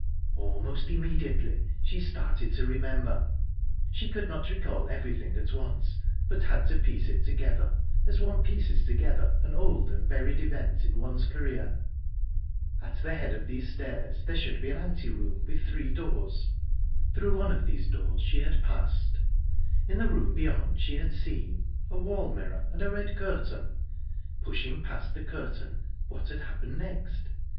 Almost immediately she started to remember. She could not recall everything at once, but had to piece it together, as one pieces together an old and buried event in one's career. At the head of these stairs there should be an ante room, with three doors. Through one of these doors she had passed. In the room beyond she had seen...a wall mirror...and a red curtain. Pushing past the curtain what had happened next?...